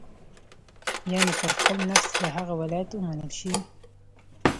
یعنې پر خپل نفس د هغه ولایت ومنل شي.